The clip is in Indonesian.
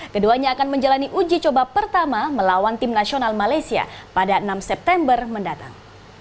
keduanya akan menjalani uji coba pertama melawan tim nasional malaysia pada enam september mendatang